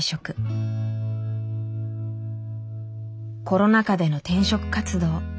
コロナ禍での転職活動。